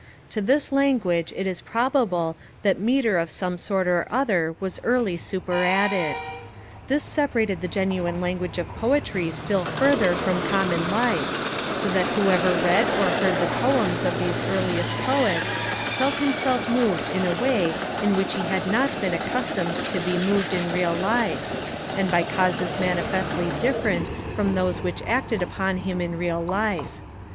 To this language it is probable that metre of some sort or other was early superadded. This separated the genuine language of Poetry still further from common life, so that whoever read or heard the poems of these earliest Poets felt himself moved in a way in which he had not been accustomed to be moved in real life, and by causes manifestly different from those which acted upon him in real life.